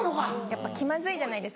やっぱ気まずいじゃないですか。